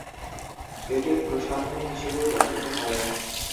এটি প্রসাধনী হিসেবেও ব্যবহৃত হয়।